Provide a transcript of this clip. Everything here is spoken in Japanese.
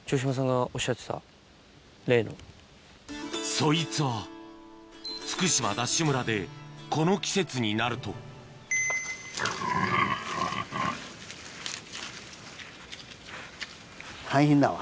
そいつは福島ＤＡＳＨ村でこの季節になると大変だわ。